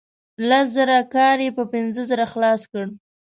لس زره کار یې په پنځه زره خلاص کړ.